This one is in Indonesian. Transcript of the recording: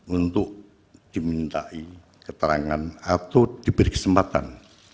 untuk dimintai keterangan atau diberi kesempatan